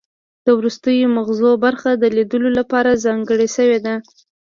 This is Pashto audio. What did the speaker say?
د وروستیو مغزو برخه د لیدلو لپاره ځانګړې شوې ده